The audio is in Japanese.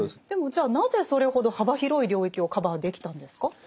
でもじゃあなぜそれほど幅広い領域をカバーできたんですか？